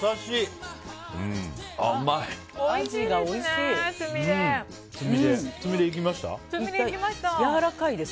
おいしい！